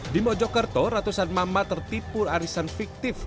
di mojokerto ratusan mama tertipu arisan fiktif